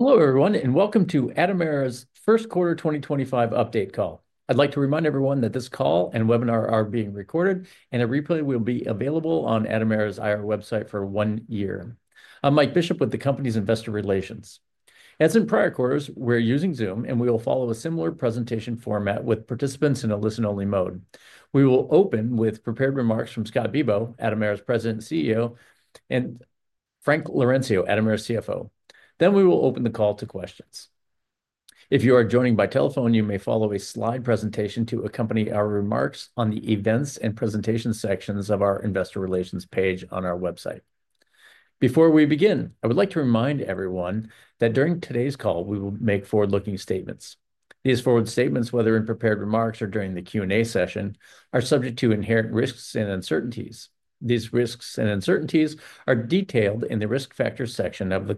Hello, everyone, and welcome to Atomera's first quarter 2025 update call. I'd like to remind everyone that this call and webinar are being recorded, and a replay will be available on Atomera's IR website for one year. I'm Mike Bishop with the company's investor relations. As in prior quarters, we're using Zoom, and we will follow a similar presentation format with participants in a listen-only mode. We will open with prepared remarks from Scott Bibaud, Atomera's President and CEO, and Frank Laurencio, Atomera's CFO. Then we will open the call to questions. If you are joining by telephone, you may follow a slide presentation to accompany our remarks on the events and presentation sections of our investor relations page on our website. Before we begin, I would like to remind everyone that during today's call, we will make forward-looking statements. These forward statements, whether in prepared remarks or during the Q&A session, are subject to inherent risks and uncertainties. These risks and uncertainties are detailed in the risk factor section of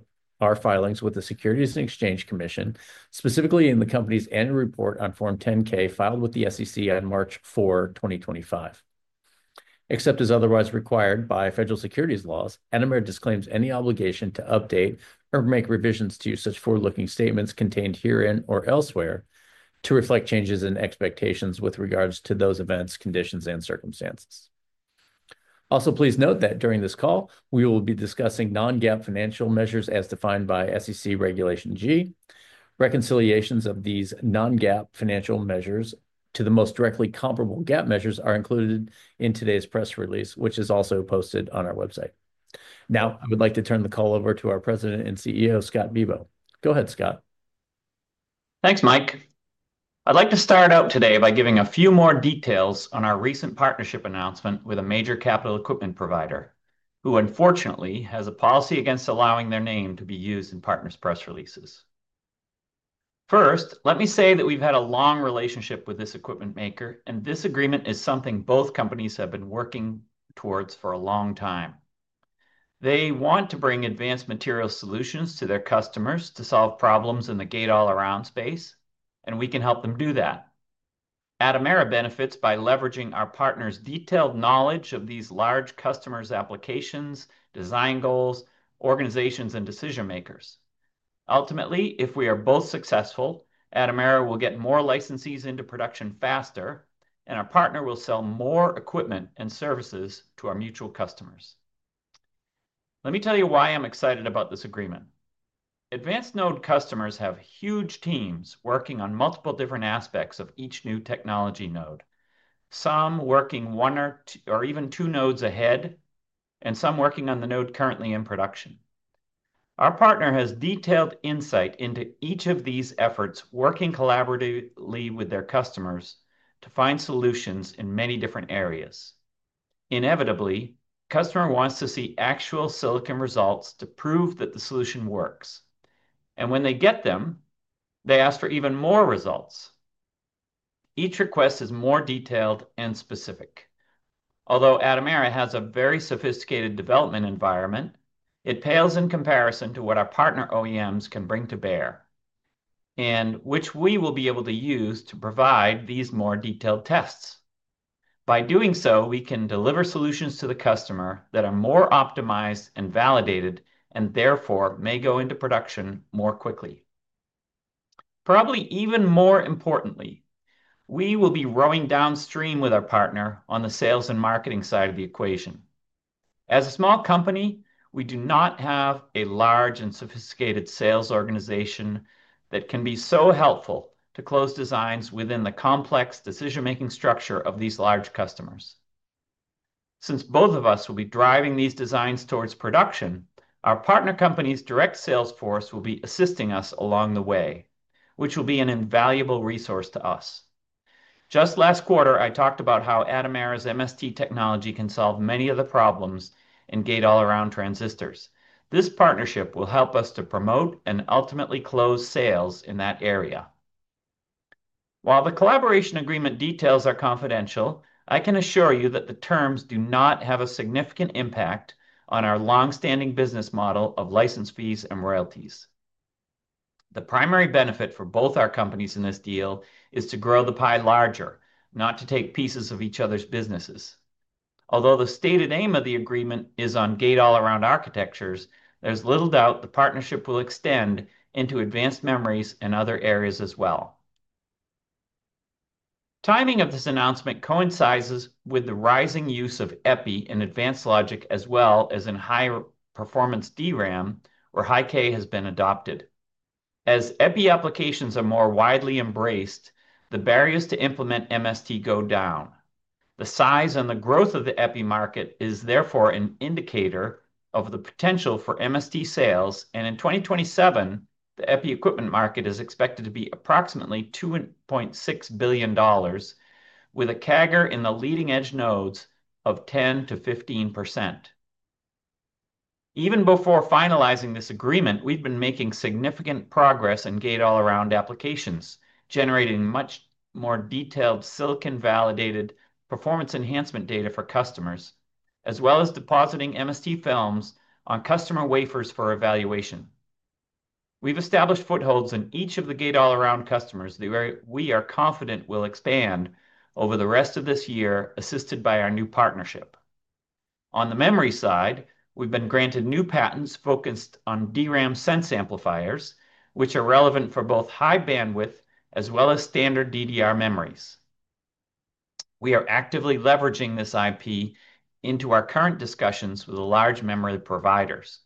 our filings with the U.S. Securities and Exchange Commission, specifically in the company's annual report on Form 10-K filed with the SEC on March 4, 2025. Except as otherwise required by federal securities laws, Atomera disclaims any obligation to update or make revisions to such forward-looking statements contained herein or elsewhere to reflect changes in expectations with regards to those events, conditions, and circumstances. Also, please note that during this call, we will be discussing non-GAAP financial measures as defined by SEC Regulation G. Reconciliations of these non-GAAP financial measures to the most directly comparable GAAP measures are included in today's press release, which is also posted on our website. Now, I would like to turn the call over to our President and CEO, Scott Bibaud. Go ahead, Scott. Thanks, Mike. I'd like to start out today by giving a few more details on our recent partnership announcement with a major capital equipment provider who, unfortunately, has a policy against allowing their name to be used in partners' press releases. First, let me say that we've had a long relationship with this equipment maker, and this agreement is something both companies have been working towards for a long time. They want to bring advanced material solutions to their customers to solve problems in the gate-all-around space, and we can help them do that. Atomera benefits by leveraging our partner's detailed knowledge of these large customers' applications, design goals, organizations, and decision-makers. Ultimately, if we are both successful, Atomera will get more licenses into production faster, and our partner will sell more equipment and services to our mutual customers. Let me tell you why I'm excited about this agreement. Advanced node customers have huge teams working on multiple different aspects of each new technology node, some working one or even two nodes ahead, and some working on the node currently in production. Our partner has detailed insight into each of these efforts, working collaboratively with their customers to find solutions in many different areas. Inevitably, the customer wants to see actual silicon results to prove that the solution works. When they get them, they ask for even more results. Each request is more detailed and specific. Although Atomera has a very sophisticated development environment, it pales in comparison to what our partner OEMs can bring to bear, and which we will be able to use to provide these more detailed tests. By doing so, we can deliver solutions to the customer that are more optimized and validated, and therefore may go into production more quickly. Probably even more importantly, we will be rowing downstream with our partner on the sales and marketing side of the equation. As a small company, we do not have a large and sophisticated sales organization that can be so helpful to close designs within the complex decision-making structure of these large customers. Since both of us will be driving these designs towards production, our partner company's direct sales force will be assisting us along the way, which will be an invaluable resource to us. Just last quarter, I talked about how Atomera's MST technology can solve many of the problems in gate-all-around transistors. This partnership will help us to promote and ultimately close sales in that area. While the collaboration agreement details are confidential, I can assure you that the terms do not have a significant impact on our long-standing business model of license fees and royalties. The primary benefit for both our companies in this deal is to grow the pie larger, not to take pieces of each other's businesses. Although the stated aim of the agreement is on gate-all-around architectures, there's little doubt the partnership will extend into advanced memories and other areas as well. Timing of this announcement coincides with the rising use of EPI in advanced logic, as well as in high-performance DRAM, where high-K has been adopted. As EPI applications are more widely embraced, the barriers to implement MST go down. The size and the growth of the EPI market is therefore an indicator of the potential for MST sales, and in 2027, the EPI equipment market is expected to be approximately $2.6 billion, with a CAGR in the leading-edge nodes of 10%-15%. Even before finalizing this agreement, we've been making significant progress in gate-all-around applications, generating much more detailed silicon-validated performance enhancement data for customers, as well as depositing MST films on customer wafers for evaluation. We've established footholds in each of the gate-all-around customers that we are confident will expand over the rest of this year, assisted by our new partnership. On the memory side, we've been granted new patents focused on DRAM sense amplifiers, which are relevant for both high bandwidth as well as standard DDR memories. We are actively leveraging this IP into our current discussions with large memory providers.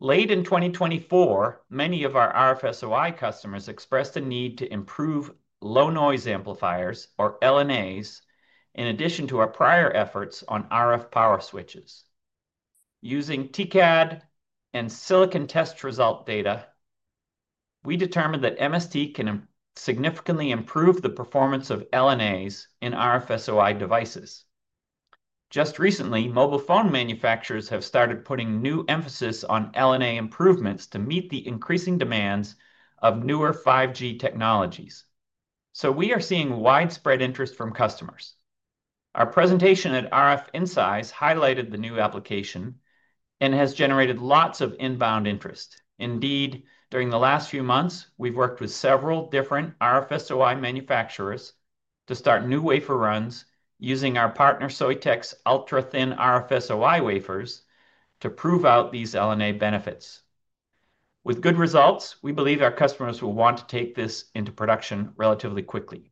Late in 2024, many of our RF-SOI customers expressed a need to improve low-noise amplifiers, or LNAs, in addition to our prior efforts on RF power switches. Using TCAD and silicon test result data, we determined that MST can significantly improve the performance of LNAs in RF-SOI devices. Just recently, mobile phone manufacturers have started putting new emphasis on LNA improvements to meet the increasing demands of newer 5G technologies. We are seeing widespread interest from customers. Our presentation at RF Insights highlighted the new application and has generated lots of inbound interest. Indeed, during the last few months, we've worked with several different RF-SOI manufacturers to start new wafer runs using our partner Soitec's ultra-thin RF-SOI wafers to prove out these LNA benefits. With good results, we believe our customers will want to take this into production relatively quickly.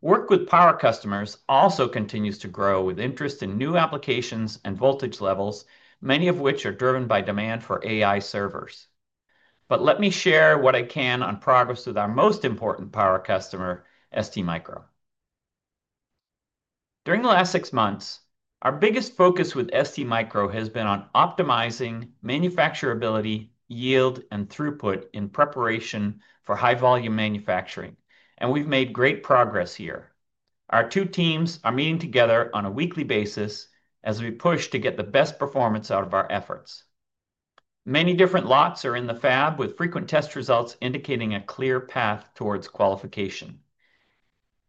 Work with power customers also continues to grow with interest in new applications and voltage levels, many of which are driven by demand for AI servers. Let me share what I can on progress with our most important power customer, STMicro. During the last six months, our biggest focus with STMicro has been on optimizing manufacturability, yield, and throughput in preparation for high-volume manufacturing, and we've made great progress here. Our two teams are meeting together on a weekly basis as we push to get the best performance out of our efforts. Many different lots are in the fab with frequent test results indicating a clear path towards qualification.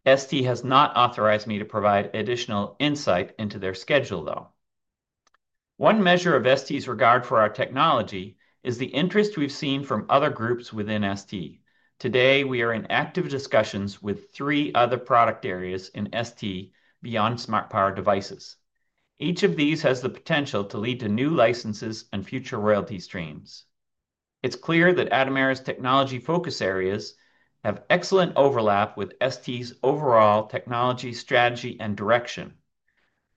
ST has not authorized me to provide additional insight into their schedule, though. One measure of ST's regard for our technology is the interest we've seen from other groups within ST. Today, we are in active discussions with three other product areas in ST beyond smart power devices. Each of these has the potential to lead to new licenses and future royalty streams. It's clear that Atomera's technology focus areas have excellent overlap with ST's overall technology strategy and direction.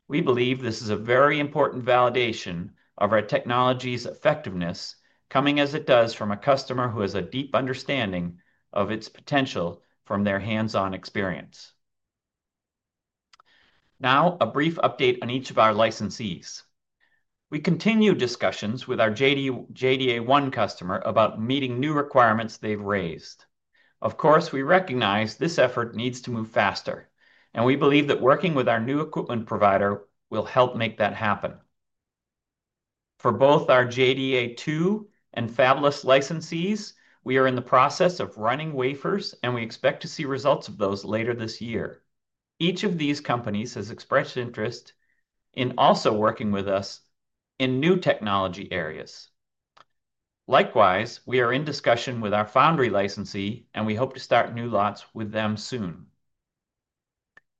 We believe this is a very important validation of our technology's effectiveness, coming as it does from a customer who has a deep understanding of its potential from their hands-on experience. Now, a brief update on each of our licensees. We continue discussions with our JDA1 customer about meeting new requirements they've raised. Of course, we recognize this effort needs to move faster, and we believe that working with our new equipment provider will help make that happen. For both our JDA2 and Fabless licensees, we are in the process of running wafers, and we expect to see results of those later this year. Each of these companies has expressed interest in also working with us in new technology areas. Likewise, we are in discussion with our foundry licensee, and we hope to start new lots with them soon.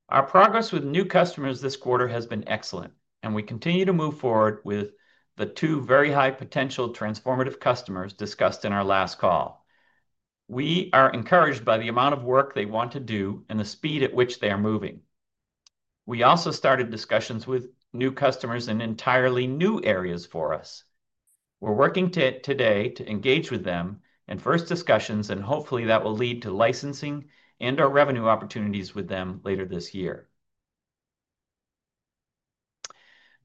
Our progress with new customers this quarter has been excellent, and we continue to move forward with the two very high-potential transformative customers discussed in our last call. We are encouraged by the amount of work they want to do and the speed at which they are moving. We also started discussions with new customers in entirely new areas for us. We're working today to engage with them in first discussions, and hopefully that will lead to licensing and/or revenue opportunities with them later this year.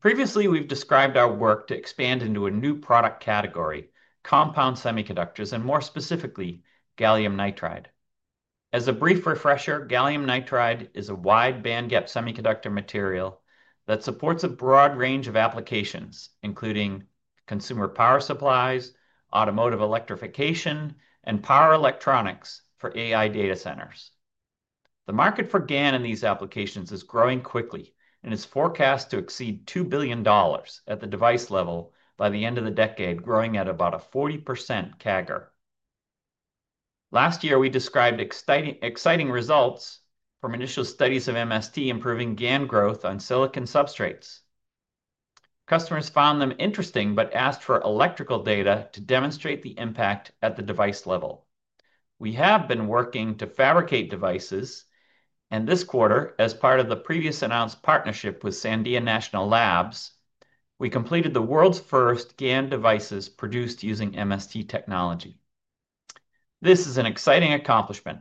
Previously, we've described our work to expand into a new product category, compound semiconductors, and more specifically, gallium nitride. As a brief refresher, gallium nitride is a wide-band gap semiconductor material that supports a broad range of applications, including consumer power supplies, automotive electrification, and power electronics for AI data centers. The market for GaN in these applications is growing quickly and is forecast to exceed $2 billion at the device level by the end of the decade, growing at about a 40% CAGR. Last year, we described exciting results from initial studies of MST improving GaN growth on silicon substrates. Customers found them interesting but asked for electrical data to demonstrate the impact at the device level. We have been working to fabricate devices, and this quarter, as part of the previously announced partnership with Sandia National Labs, we completed the world's first GaN devices produced using MST technology. This is an exciting accomplishment.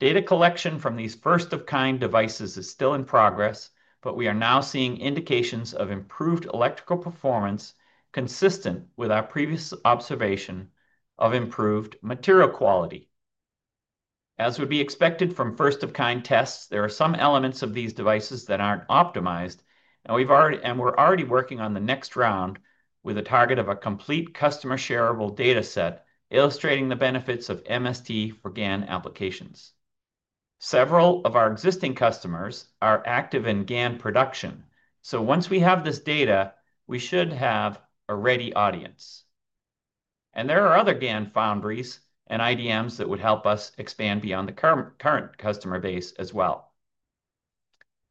Data collection from these first-of-kind devices is still in progress, but we are now seeing indications of improved electrical performance consistent with our previous observation of improved material quality. As would be expected from first-of-kind tests, there are some elements of these devices that aren't optimized, and we're already working on the next round with a target of a complete customer shareable data set illustrating the benefits of MST for GaN applications. Several of our existing customers are active in GaN production, so once we have this data, we should have a ready audience. There are other GaN foundries and IDMs that would help us expand beyond the current customer base as well.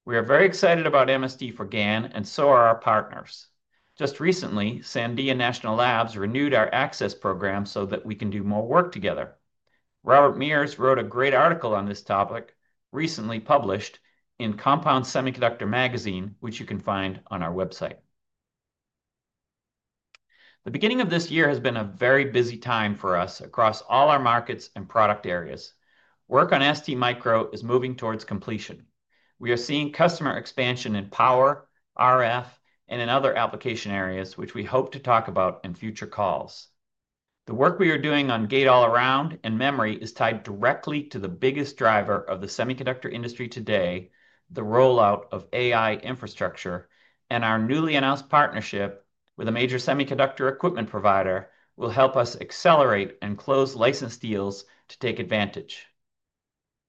We are very excited about MST for GaN, and so are our partners. Just recently, Sandia National Labs renewed our access program so that we can do more work together. Robert Mears wrote a great article on this topic recently published in Compound Semiconductor Magazine, which you can find on our website. The beginning of this year has been a very busy time for us across all our markets and product areas. Work on STMicro is moving towards completion. We are seeing customer expansion in power, RF, and in other application areas, which we hope to talk about in future calls. The work we are doing on gate-all-around and memory is tied directly to the biggest driver of the semiconductor industry today, the rollout of AI infrastructure, and our newly announced partnership with a major semiconductor equipment provider will help us accelerate and close license deals to take advantage.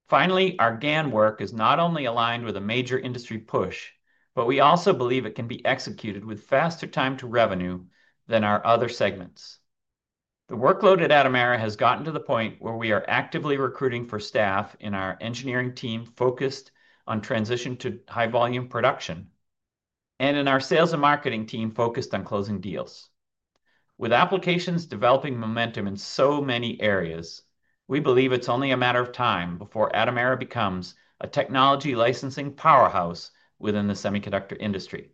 Finally, our GaN work is not only aligned with a major industry push, but we also believe it can be executed with faster time to revenue than our other segments. The workload at Atomera has gotten to the point where we are actively recruiting for staff in our engineering team focused on transition to high-volume production, and in our sales and marketing team focused on closing deals. With applications developing momentum in so many areas, we believe it's only a matter of time before Atomera becomes a technology licensing powerhouse within the semiconductor industry.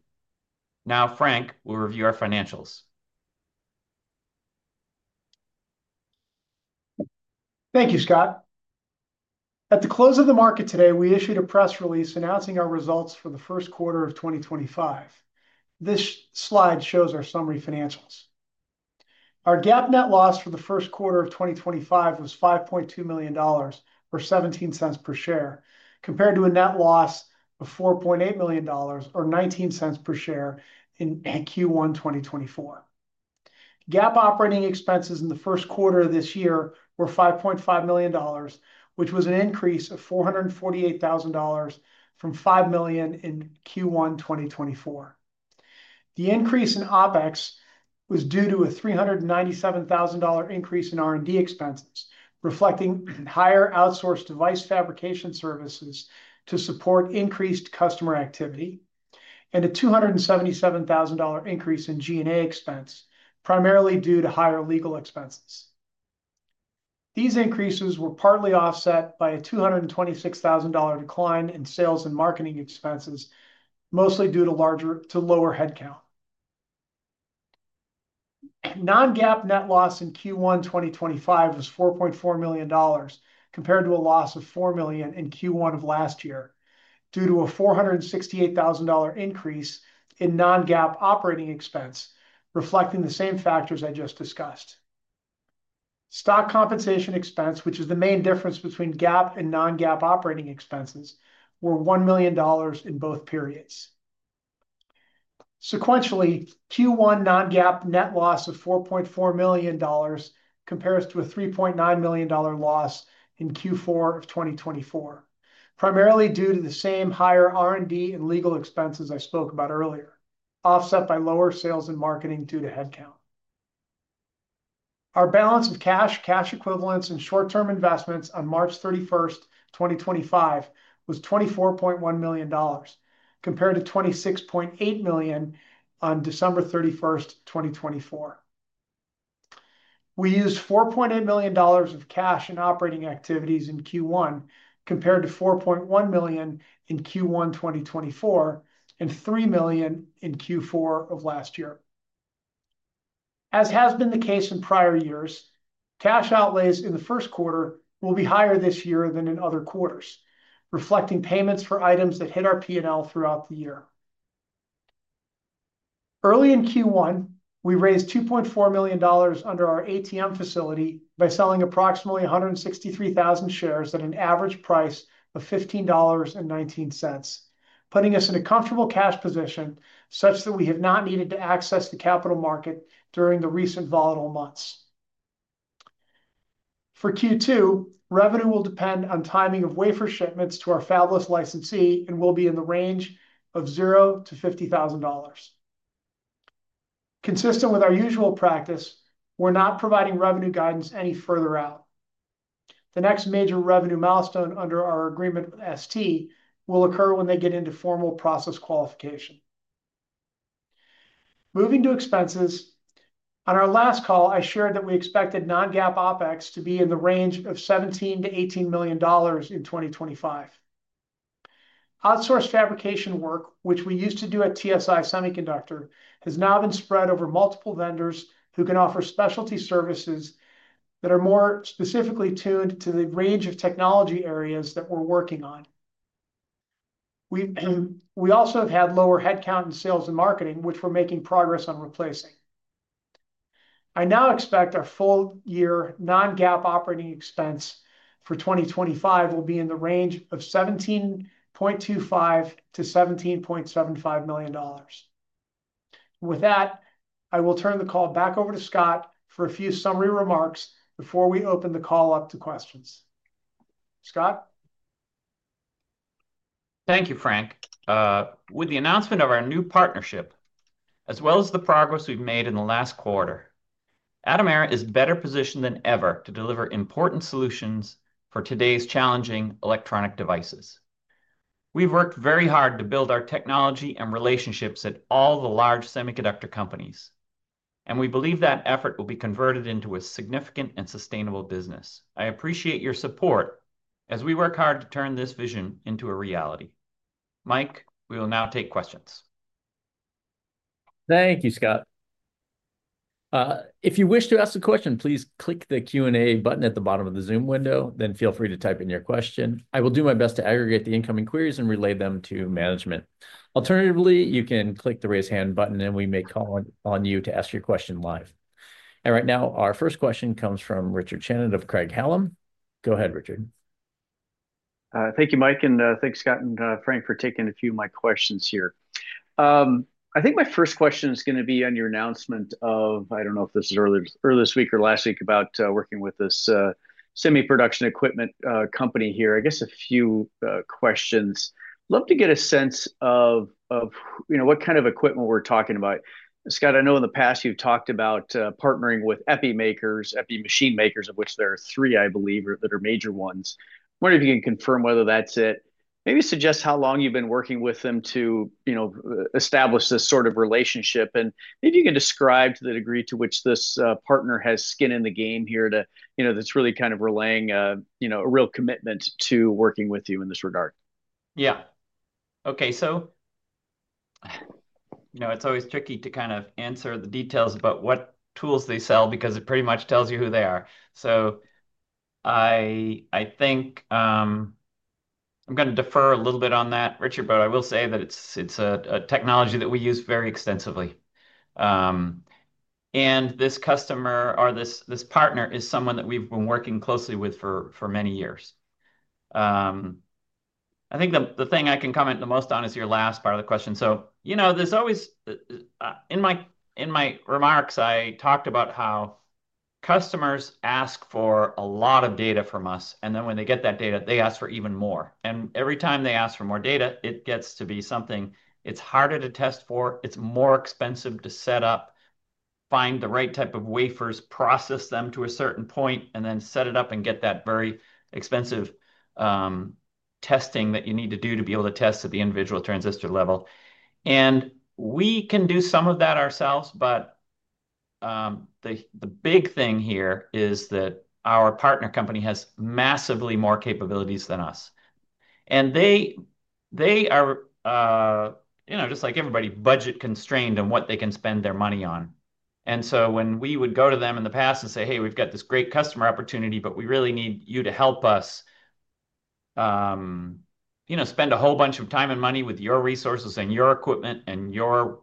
Now, Frank, we'll review our financials. Thank you, Scott. At the close of the market today, we issued a press release announcing our results for the first quarter of 2025. This slide shows our summary financials. Our GAAP net loss for the first quarter of 2025 was $5.2 million or $0.17 per share, compared to a net loss of $4.8 million or $0.19 per share in Q1 2024. GAAP operating expenses in the first quarter of this year were $5.5 million, which was an increase of $448,000 from $5 million in Q1 2024. The increase in OpEx was due to a $397,000 increase in R&D expenses, reflecting higher outsourced device fabrication services to support increased customer activity, and a $277,000 increase in G&A expense, primarily due to higher legal expenses. These increases were partly offset by a $226,000 decline in sales and marketing expenses, mostly due to lower headcount. Non-GAAP net loss in Q1 2025 was $4.4 million, compared to a loss of $4 million in Q1 of last year, due to a $468,000 increase in non-GAAP operating expense, reflecting the same factors I just discussed. Stock compensation expense, which is the main difference between GAAP and non-GAAP operating expenses, was $1 million in both periods. Sequentially, Q1 non-GAAP net loss of $4.4 million compares to a $3.9 million loss in Q4 of 2024, primarily due to the same higher R&D and legal expenses I spoke about earlier, offset by lower sales and marketing due to headcount. Our balance of cash, cash equivalents, and short-term investments on March 31, 2025, was $24.1 million, compared to $26.8 million on December 31, 2024. We used $4.8 million of cash in operating activities in Q1, compared to $4.1 million in Q1 2024 and $3 million in Q4 of last year. As has been the case in prior years, cash outlays in the first quarter will be higher this year than in other quarters, reflecting payments for items that hit our P&L throughout the year. Early in Q1, we raised $2.4 million under our ATM facility by selling approximately 163,000 shares at an average price of $15.19, putting us in a comfortable cash position such that we have not needed to access the capital market during the recent volatile months. For Q2, revenue will depend on timing of wafer shipments to our fabless licensee and will be in the range of $0-$50,000. Consistent with our usual practice, we're not providing revenue guidance any further out. The next major revenue milestone under our agreement with ST will occur when they get into formal process qualification. Moving to expenses, on our last call, I shared that we expected non-GAAP OpEx to be in the range of $17-$18 million in 2025. Outsourced fabrication work, which we used to do at TSI Semiconductor, has now been spread over multiple vendors who can offer specialty services that are more specifically tuned to the range of technology areas that we're working on. We also have had lower headcount in sales and marketing, which we're making progress on replacing. I now expect our full-year non-GAAP operating expense for 2025 will be in the range of $17.25-$17.75 million. With that, I will turn the call back over to Scott for a few summary remarks before we open the call up to questions. Scott. Thank you, Frank. With the announcement of our new partnership, as well as the progress we've made in the last quarter, Atomera is better positioned than ever to deliver important solutions for today's challenging electronic devices. We've worked very hard to build our technology and relationships at all the large semiconductor companies, and we believe that effort will be converted into a significant and sustainable business. I appreciate your support as we work hard to turn this vision into a reality. Mike, we will now take questions. Thank you, Scott. If you wish to ask a question, please click the Q&A button at the bottom of the Zoom window. Then feel free to type in your question. I will do my best to aggregate the incoming queries and relay them to management. Alternatively, you can click the raise hand button, and we may call on you to ask your question live. Right now, our first question comes from Richard Channon of Craig Hallum. Go ahead, Richard. Thank you, Mike, and thanks, Scott and Frank, for taking a few of my questions here. I think my first question is going to be on your announcement of, I don't know if this is earlier this week or last week, about working with this semi-production equipment company here. I guess a few questions. I'd love to get a sense of what kind of equipment we're talking about. Scott, I know in the past you've talked about partnering with EPI makers, EPI machine makers, of which there are three, I believe, that are major ones. I wonder if you can confirm whether that's it. Maybe suggest how long you've been working with them to establish this sort of relationship, and maybe you can describe to the degree to which this partner has skin in the game here that's really kind of relaying a real commitment to working with you in this regard. Yeah. Okay. It's always tricky to kind of answer the details about what tools they sell because it pretty much tells you who they are. I think I'm going to defer a little bit on that, Richard, but I will say that it's a technology that we use very extensively. This customer or this partner is someone that we've been working closely with for many years. I think the thing I can comment the most on is your last part of the question. In my remarks, I talked about how customers ask for a lot of data from us, and then when they get that data, they ask for even more. Every time they ask for more data, it gets to be something that's harder to test for. It's more expensive to set up, find the right type of wafers, process them to a certain point, and then set it up and get that very expensive testing that you need to do to be able to test at the individual transistor level. We can do some of that ourselves, but the big thing here is that our partner company has massively more capabilities than us. They are, just like everybody, budget constrained on what they can spend their money on. When we would go to them in the past and say, "Hey, we've got this great customer opportunity, but we really need you to help us spend a whole bunch of time and money with your resources and your equipment and your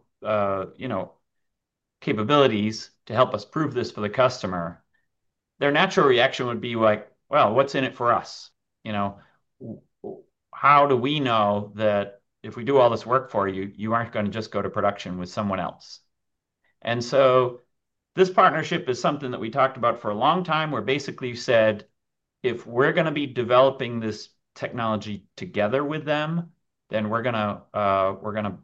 capabilities to help us prove this for the customer," their natural reaction would be like, "Well, what's in it for us? How do we know that if we do all this work for you, you are not going to just go to production with someone else?" This partnership is something that we talked about for a long time, where basically you said, "If we are going to be developing this technology together with them, then we are going to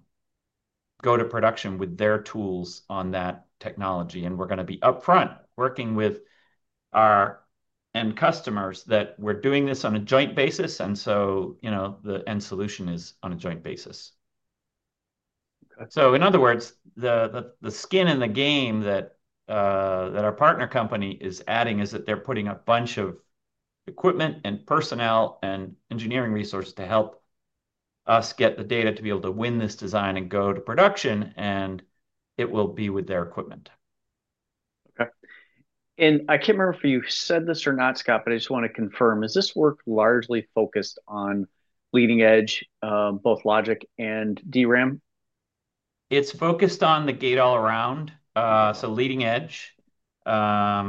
go to production with their tools on that technology, and we are going to be upfront working with our end customers that we are doing this on a joint basis." The end solution is on a joint basis. In other words, the skin in the game that our partner company is adding is that they are putting a bunch of equipment and personnel and engineering resources to help us get the data to be able to win this design and go to production, and it will be with their equipment. Okay. I can't remember if you said this or not, Scott, but I just want to confirm, is this work largely focused on leading edge, both logic and DRAM? It's focused on the gate-all-around, so leading edge. I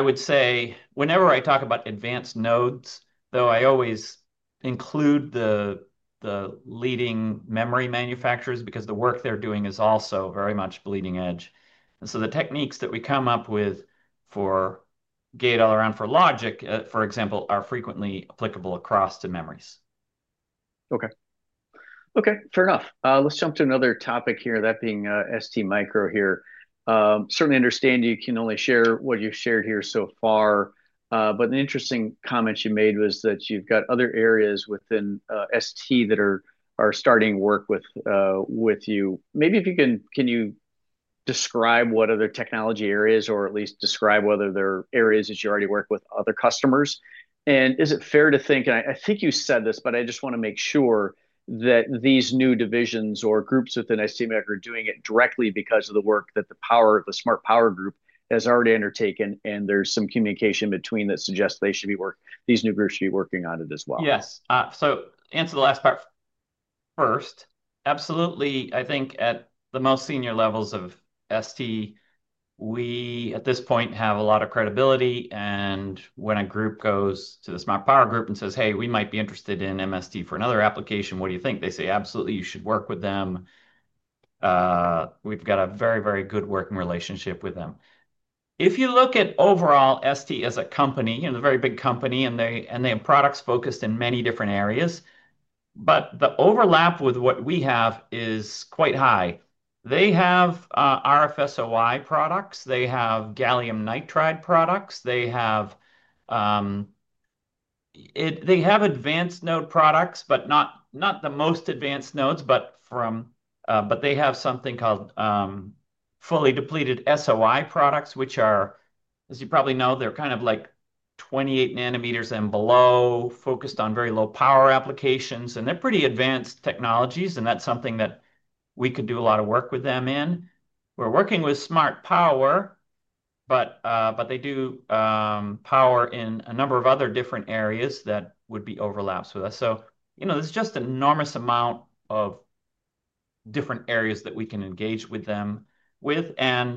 would say whenever I talk about advanced nodes, though, I always include the leading memory manufacturers because the work they're doing is also very much leading edge. The techniques that we come up with for gate-all-around for logic, for example, are frequently applicable across to memories. Okay. Okay. Fair enough. Let's jump to another topic here, that being STMicro here. Certainly understand you can only share what you've shared here so far, but an interesting comment you made was that you've got other areas within ST that are starting work with you. Maybe if you can, can you describe what other technology areas or at least describe whether there are areas that you already work with other customers? Is it fair to think, and I think you said this, but I just want to make sure that these new divisions or groups within STMicro are doing it directly because of the work that the power of the Smart Power Group has already undertaken, and there is some communication between that suggests they should be working, these new groups should be working on it as well. Yes. To answer the last part first. Absolutely. I think at the most senior levels of ST, we at this point have a lot of credibility. When a group goes to the Smart Power Group and says, "Hey, we might be interested in MST for another application, what do you think?" they say, "Absolutely, you should work with them. We've got a very, very good working relationship with them." If you look at overall ST as a company, a very big company, and they have products focused in many different areas, the overlap with what we have is quite high. They have RF-SOI products. They have gallium nitride products. They have advanced node products, not the most advanced nodes, but they have something called fully depleted SOI products, which are, as you probably know, kind of like 28 nanometers and below, focused on very low power applications. They're pretty advanced technologies, and that's something that we could do a lot of work with them in. We're working with Smart Power, but they do power in a number of other different areas that would be overlaps with us. There is just an enormous amount of different areas that we can engage with them. Yeah,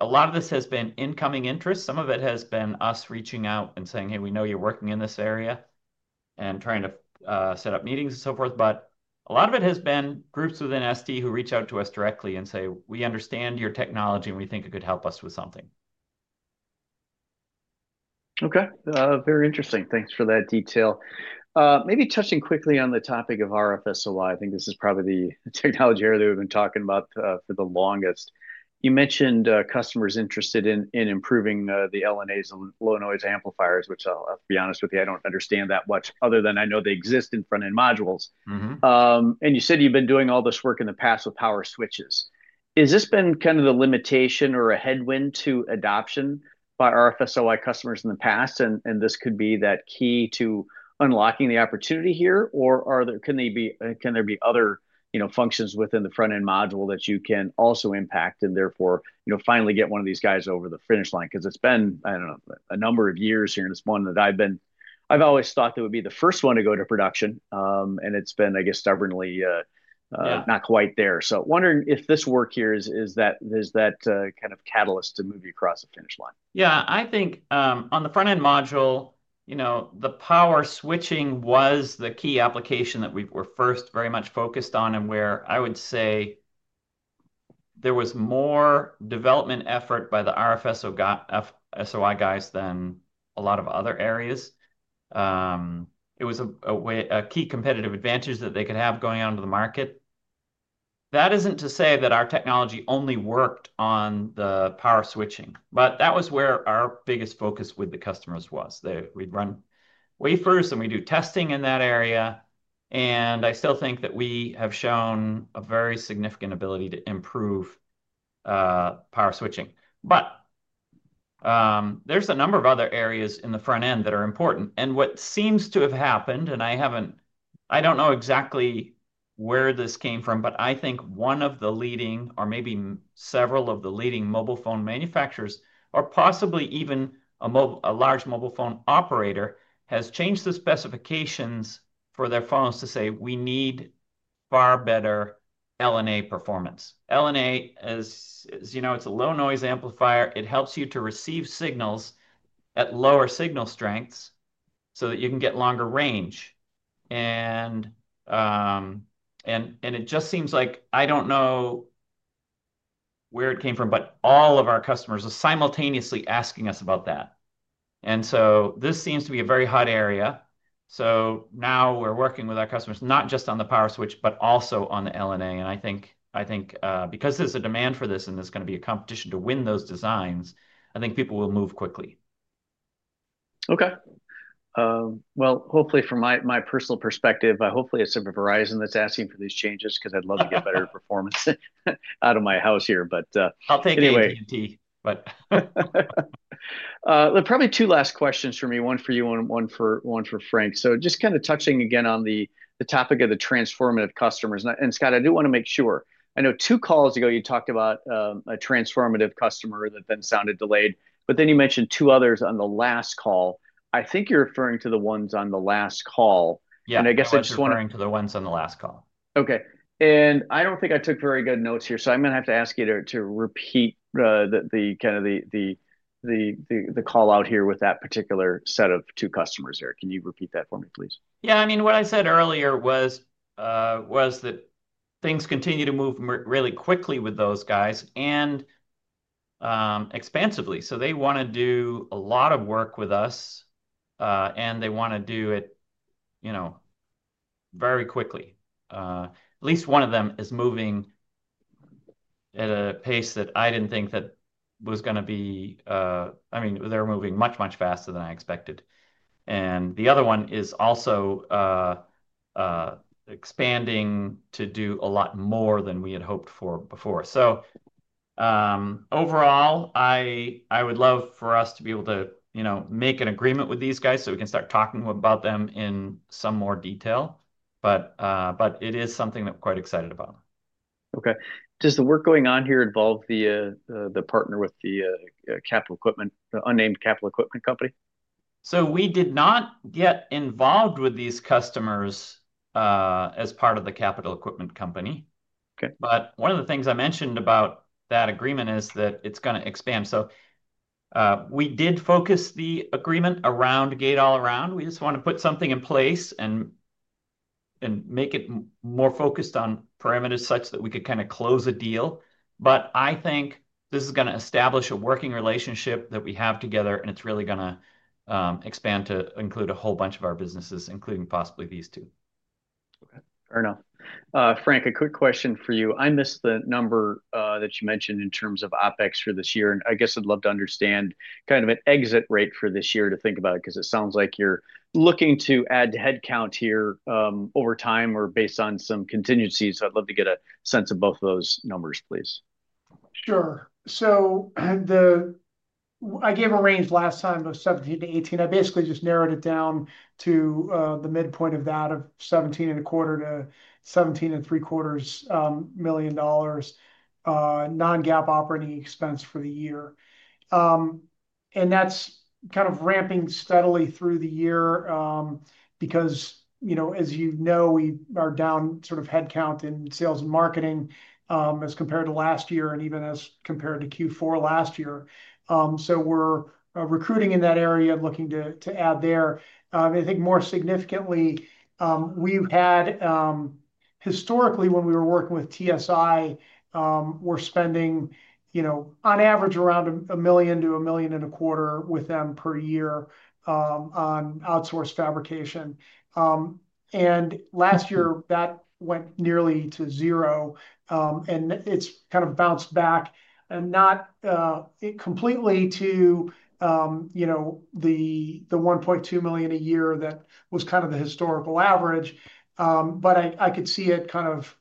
a lot of this has been incoming interest. Some of it has been us reaching out and saying, "Hey, we know you're working in this area," and trying to set up meetings and so forth. A lot of it has been groups within ST who reach out to us directly and say, "We understand your technology, and we think it could help us with something. " Okay. Very interesting. Thanks for that detail. Maybe touching quickly on the topic of RF-SOI, I think this is probably the technology area that we've been talking about for the longest. You mentioned customers interested in improving the LNAs and low-noise amplifiers, which I'll be honest with you, I don't understand that much other than I know they exist in front-end modules. You said you've been doing all this work in the past with power switches. Has this been kind of the limitation or a headwind to adoption by RF-SOI customers in the past? This could be that key to unlocking the opportunity here, or can there be other functions within the front-end module that you can also impact and therefore finally get one of these guys over the finish line? Because it's been, I don't know, a number of years here, and it's one that I've always thought that would be the first one to go to production, and it's been, I guess, stubbornly not quite there. Wondering if this work here is that kind of catalyst to move you across the finish line. Yeah. I think on the front-end module, the power switching was the key application that we were first very much focused on and where I would say there was more development effort by the RF-SOI guys than a lot of other areas. It was a key competitive advantage that they could have going on to the market. That is not to say that our technology only worked on the power switching, but that was where our biggest focus with the customers was. We run wafers, and we do testing in that area. I still think that we have shown a very significant ability to improve power switching. There are a number of other areas in the front-end that are important. What seems to have happened, and I don't know exactly where this came from, but I think one of the leading, or maybe several of the leading mobile phone manufacturers, or possibly even a large mobile phone operator, has changed the specifications for their phones to say, "We need far better LNA performance." LNA, as you know, is a low-noise amplifier. It helps you to receive signals at lower signal strengths so that you can get longer range. It just seems like, I don't know where it came from, but all of our customers are simultaneously asking us about that. This seems to be a very hot area. Now we're working with our customers, not just on the power switch, but also on the LNA. I think because there's a demand for this and there's going to be a competition to win those designs, I think people will move quickly. Hopefully, from my personal perspective, hopefully it's sort of Verizon that's asking for these changes because I'd love to get better performance out of my house here, but anyway. I'll take it with your tea. Probably two last questions for me, one for you and one for Frank. Just kind of touching again on the topic of the transformative customers. Scott, I do want to make sure. I know two calls ago, you talked about a transformative customer that then sounded delayed, but then you mentioned two others on the last call. I think you're referring to the ones on the last call. Yeah. I'm just referring to the ones on the last call. Okay. I do not think I took very good notes here, so I am going to have to ask you to repeat kind of the call out here with that particular set of two customers here. Can you repeat that for me, please? Yeah. I mean, what I said earlier was that things continue to move really quickly with those guys and expansively. They want to do a lot of work with us, and they want to do it very quickly. At least one of them is moving at a pace that I did not think that was going to be. I mean, they are moving much, much faster than I expected. The other one is also expanding to do a lot more than we had hoped for before. Overall, I would love for us to be able to make an agreement with these guys so we can start talking about them in some more detail, but it is something that we're quite excited about. Okay. Does the work going on here involve the partner with the capital equipment, the unnamed capital equipment company? We did not get involved with these customers as part of the capital equipment company. One of the things I mentioned about that agreement is that it's going to expand. We did focus the agreement around gate-all-around. We just want to put something in place and make it more focused on parameters such that we could kind of close a deal. I think this is going to establish a working relationship that we have together, and it's really going to expand to include a whole bunch of our businesses, including possibly these two. Okay. Fair enough. Frank, a quick question for you. I missed the number that you mentioned in terms of OpEx for this year. I guess I'd love to understand kind of an exit rate for this year to think about it because it sounds like you're looking to add to headcount here over time or based on some contingencies. I'd love to get a sense of both of those numbers, please. Sure. I gave a range last time of $17 million-$18 million. I basically just narrowed it down to the midpoint of that of $17.25 million-$17.75 million non-GAAP operating expense for the year. That's kind of ramping steadily through the year because, as you know, we are down sort of headcount in sales and marketing as compared to last year and even as compared to Q4 last year. We are recruiting in that area, looking to add there. I think more significantly, we've had historically, when we were working with TSI, we were spending on average around $1 million-$1.25 million with them per year on outsourced fabrication. Last year, that went nearly to zero, and it's kind of bounced back, not completely to the $1.2 million a year that was kind of the historical average, but I could see it kind of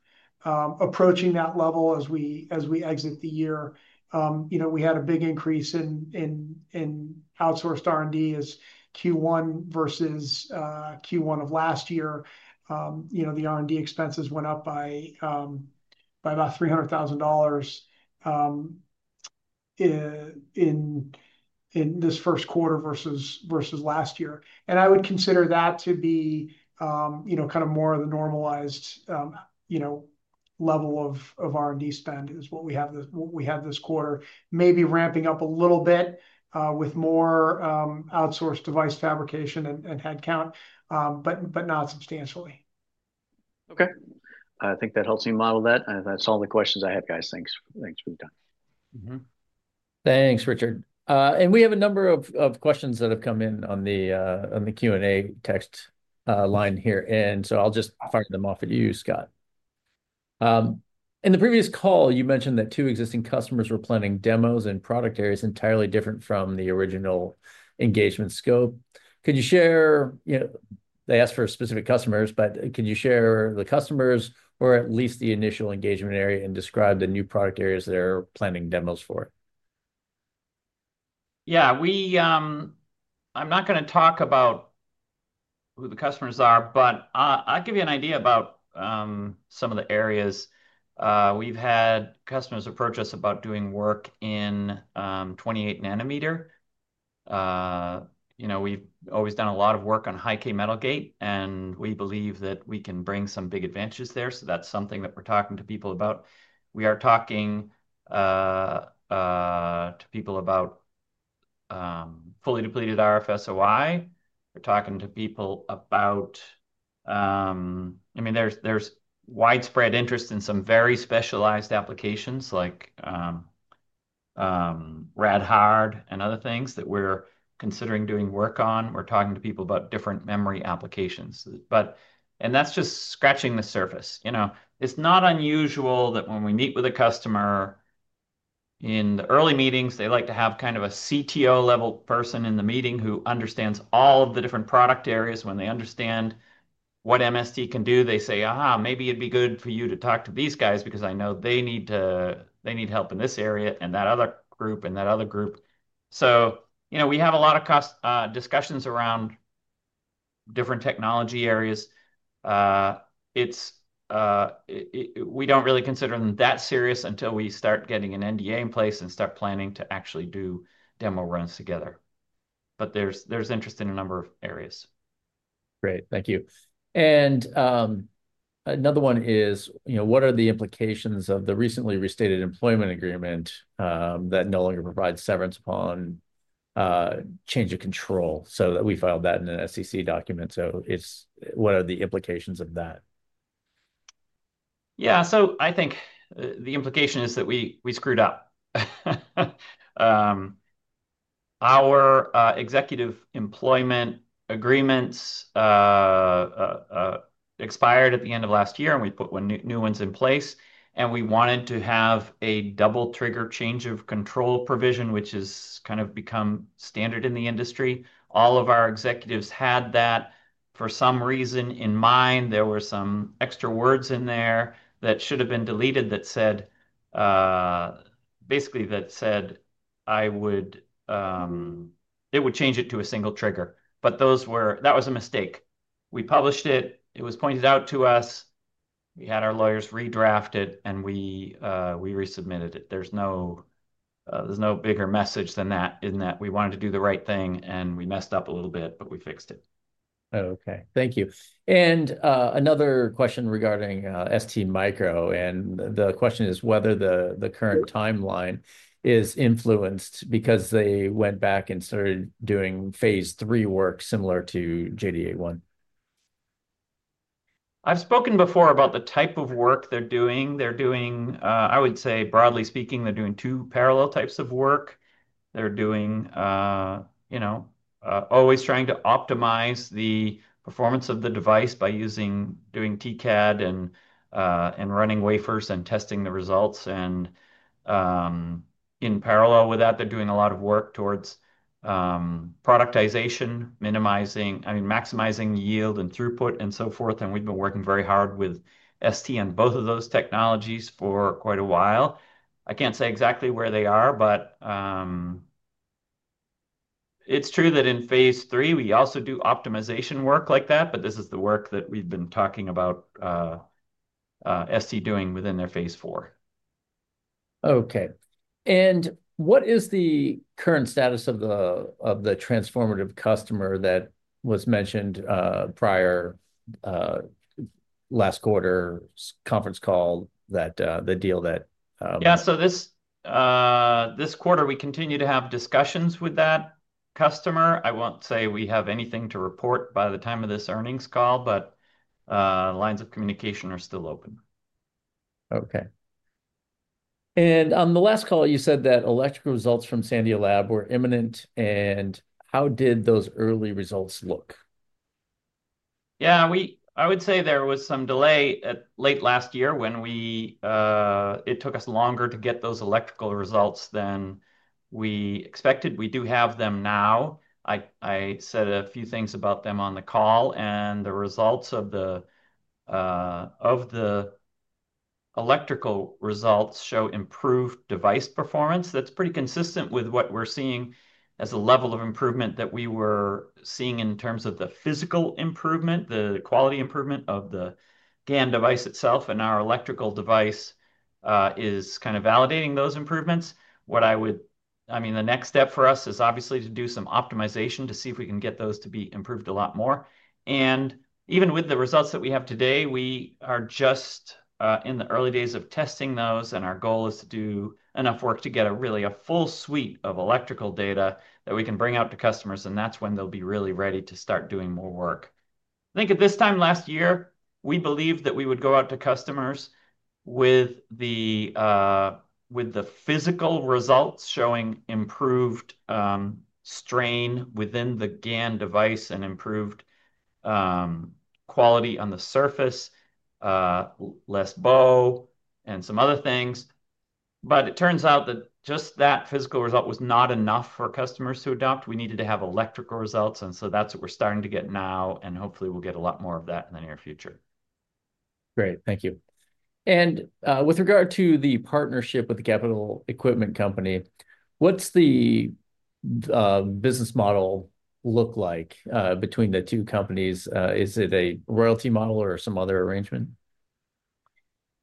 approaching that level as we exit the year. We had a big increase in outsourced R&D as Q1 versus Q1 of last year. The R&D expenses went up by about $300,000 in this first quarter versus last year. I would consider that to be kind of more of the normalized level of R&D spend is what we have this quarter, maybe ramping up a little bit with more outsourced device fabrication and headcount, but not substantially. Okay. I think that helps me model that. That's all the questions I have, guys. Thanks for your time. Thanks, Richard. We have a number of questions that have come in on the Q&A text line here. I'll just fire them off at you, Scott. In the previous call, you mentioned that two existing customers were planning demos in product areas entirely different from the original engagement scope. Could you share? They asked for specific customers, but could you share the customers or at least the initial engagement area and describe the new product areas they're planning demos for? Yeah. I'm not going to talk about who the customers are, but I'll give you an idea about some of the areas. We've had customers approach us about doing work in 28 nanometer. We've always done a lot of work on High-K metal gate, and we believe that we can bring some big advantages there. That is something that we're talking to people about. We are talking to people about fully depleted RF-SOI. We're talking to people about, I mean, there's widespread interest in some very specialized applications like RadHard and other things that we're considering doing work on. We're talking to people about different memory applications. That's just scratching the surface. It's not unusual that when we meet with a customer in the early meetings, they like to have kind of a CTO-level person in the meeting who understands all of the different product areas. When they understand what MST can do, they say, maybe it'd be good for you to talk to these guys because I know they need help in this area and that other group and that other group. We have a lot of discussions around different technology areas. We don't really consider them that serious until we start getting an NDA in place and start planning to actually do demo runs together. There's interest in a number of areas. Great. Thank you. Another one is, what are the implications of the recently restated employment agreement that no longer provides severance upon change of control? We filed that in an SEC document. What are the implications of that? Yeah. I think the implication is that we screwed up. Our executive employment agreements expired at the end of last year, and we put new ones in place. We wanted to have a double trigger change of control provision, which has kind of become standard in the industry. All of our executives had that for some reason in mind. There were some extra words in there that should have been deleted that said, basically, that it would change it to a single trigger. That was a mistake. We published it. It was pointed out to us. We had our lawyers redraft it, and we resubmitted it. There is no bigger message than that, in that we wanted to do the right thing, and we messed up a little bit, but we fixed it. Okay. Thank you. Another question regarding STMicro. The question is whether the current timeline is influenced because they went back and started doing phase three work similar to JDA1. I've spoken before about the type of work they're doing. I would say, broadly speaking, they're doing two parallel types of work. They're always trying to optimize the performance of the device by doing TCAD and running wafers and testing the results. In parallel with that, they're doing a lot of work towards productization, I mean, maximizing yield and throughput and so forth. We've been working very hard with ST on both of those technologies for quite a while. I can't say exactly where they are, but it's true that in phase three, we also do optimization work like that. This is the work that we've been talking about ST doing within their phase four. Okay. What is the current status of the transformative customer that was mentioned prior last quarter conference call, the deal that? Yeah. This quarter, we continue to have discussions with that customer. I won't say we have anything to report by the time of this earnings call, but lines of communication are still open. Okay. On the last call, you said that electrical results from Sandia National Labs were imminent. How did those early results look? Yeah. I would say there was some delay late last year when it took us longer to get those electrical results than we expected. We do have them now. I said a few things about them on the call. The results of the electrical results show improved device performance. That's pretty consistent with what we're seeing as a level of improvement that we were seeing in terms of the physical improvement, the quality improvement of the GaN device itself. I mean, our electrical device is kind of validating those improvements. The next step for us is obviously to do some optimization to see if we can get those to be improved a lot more. Even with the results that we have today, we are just in the early days of testing those. Our goal is to do enough work to get really a full suite of electrical data that we can bring out to customers. That's when they'll be really ready to start doing more work. I think at this time last year, we believed that we would go out to customers with the physical results showing improved strain within the GaN device and improved quality on the surface, less bow, and some other things. It turns out that just that physical result was not enough for customers to adopt. We needed to have electrical results. That is what we're starting to get now. Hopefully, we'll get a lot more of that in the near future. Great. Thank you. With regard to the partnership with the capital equipment company, what's the business model look like between the two companies? Is it a royalty model or some other arrangement?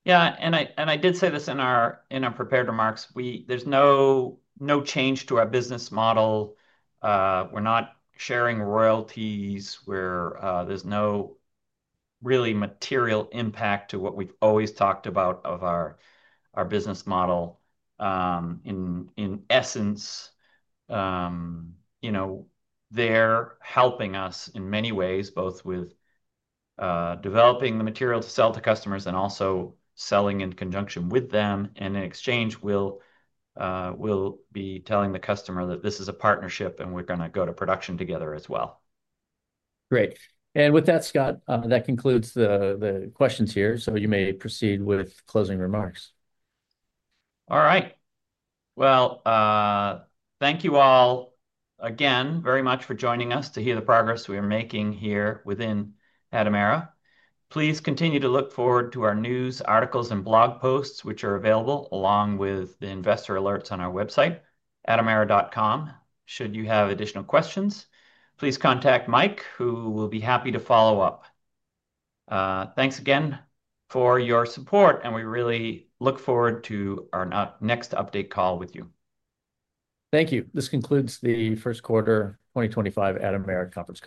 Yeah. I did say this in our prepared remarks. There's no change to our business model. We're not sharing royalties. is no really material impact to what we have always talked about of our business model. In essence, they are helping us in many ways, both with developing the material to sell to customers and also selling in conjunction with them. In exchange, we will be telling the customer that this is a partnership, and we are going to go to production together as well. Great. With that, Scott, that concludes the questions here. You may proceed with closing remarks. All right. Thank you all again very much for joining us to hear the progress we are making here within Atomera. Please continue to look forward to our news, articles, and blog posts, which are available along with the investor alerts on our website, atomera.com. Should you have additional questions, please contact Mike, who will be happy to follow up. Thanks again for your support, and we really look forward to our next update call with you. Thank you. This concludes the first quarter 2025 Atomera conference.